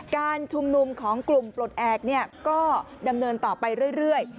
การชุมนุมของกลุ่มปลดแอบก็ดำเนินต่อไปเรื่อย